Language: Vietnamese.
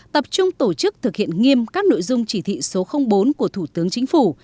tập trung tổ chức thực hiện nghiêm các nội dung chỉ thị số bốn của thủ tướng chính phủ